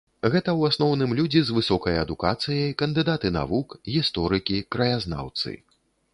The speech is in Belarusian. Гэта ў асноўным людзі з высокай адукацыяй, кандыдаты навук, гісторыкі, краязнаўцы.